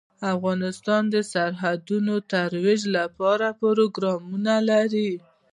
افغانستان د سرحدونه د ترویج لپاره پروګرامونه لري.